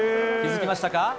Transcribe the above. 気付きましたか？